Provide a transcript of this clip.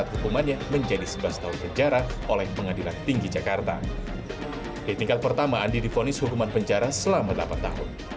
hukuman penjara selama delapan tahun